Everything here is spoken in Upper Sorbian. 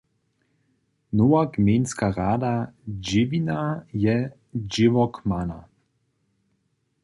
Nowa gmejnska rada Dźěwina je dźěłokmana.